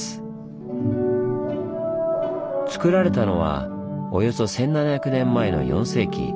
つくられたのはおよそ１，７００年前の４世紀。